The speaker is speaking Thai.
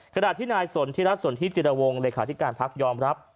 กระดาษที่นายสนทิรัฐสนทิจิรวงหรือเหลคาธิการภักดิ์ยอมรับ